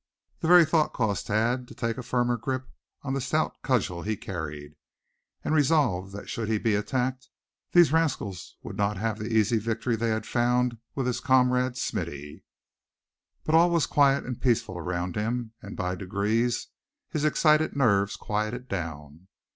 The very thought caused Thad to take a firmer grip on the stout cudgel he carried, and resolve that should he be attacked, these rascals would not have the easy victory they had found with his comrade, Smithy. But all was quiet and peaceful around him; and by degrees his excited nerves quieted down.